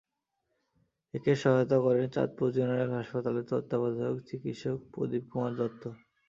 এতে সহায়তা করেন চাঁদপুর জেনারেল হাসপাতালের তত্ত্বাবধায়ক চিকিৎসক প্রদীপ কুমার দত্ত।